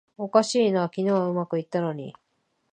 おかしいな、昨日はうまくいったのに